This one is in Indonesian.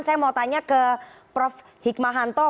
saya mau tanya ke prof hikmahanto